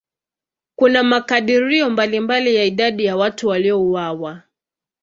Kuna makadirio mbalimbali ya idadi ya watu waliouawa.